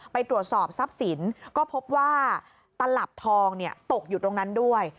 ไปตรวจสอบทรัพย์สินก็พบว่าตลับทองตกอยู่ตรงนั้นด้วย